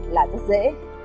là rất dễ